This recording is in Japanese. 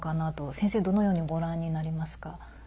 先生、どのようにご覧になりますか。